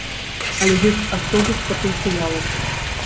Але ёсць асобы з патэнцыялам.